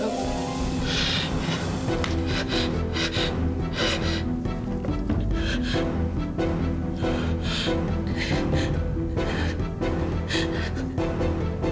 aku udah mulai mencintai kamu